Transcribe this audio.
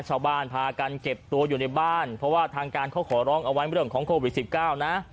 ชาวบ้านพากันเก็บตัวอยู่ในบ้านเพราะว่าทางการเขาขอร้องเอาไว้เรื่องของโควิด๑๙นะ